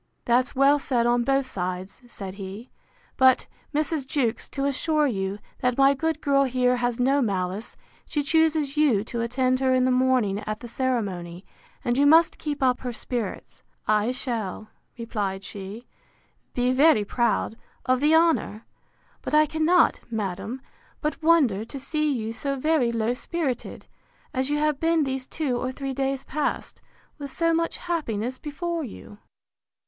That's well said on both sides, said he: but, Mrs. Jewkes, to assure you, that my good girl here has no malice, she chooses you to attend her in the morning at the ceremony, and you must keep up her spirits.—I shall, replied she, be very proud of the honour: But I cannot, madam, but wonder to see you so very low spirited, as you have been these two or three days past, with so much happiness before you.